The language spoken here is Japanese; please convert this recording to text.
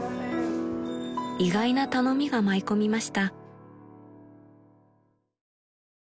［意外な頼みが舞い込みました］